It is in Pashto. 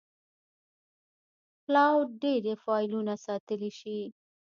کلاوډ ډېری فایلونه ساتلی شي.